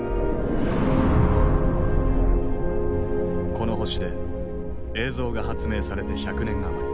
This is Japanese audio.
この星で映像が発明されて百年余り。